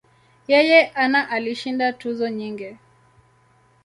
Yeye ana alishinda tuzo nyingi.